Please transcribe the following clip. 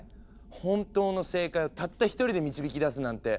本当の正解をたった１人で導き出すなんて。